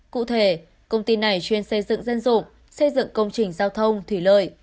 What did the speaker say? cụ thể công ty này chuyên xây dựng dân dụng xây dựng công trình giao thông thủy lợi